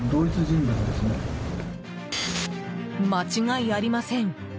間違いありません